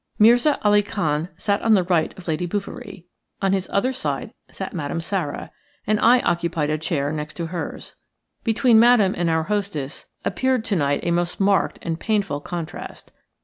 Mirza Ali Khan sat on the right of Lady Bouverie – on his other side sat Madame Sara, and I occupied a chair next to hers. Between Madame and our hostess appeared to night a most marked and painful contrast.